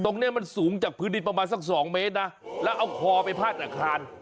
ตรงนี้มันสูงจากพื้นดินประมาณสักสองเมตรนะแล้วเอาคอไปพาดอาคาร